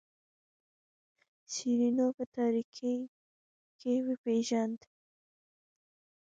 شیرینو په تاریکۍ کې وپیژاند.